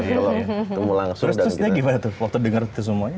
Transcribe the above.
terus terusnya gimana tuh waktu denger itu semuanya